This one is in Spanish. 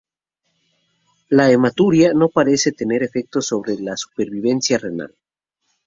La hematuria no parece tener efecto sobre la supervivencia renal.